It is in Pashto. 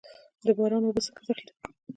د باران اوبه څنګه ذخیره کړم؟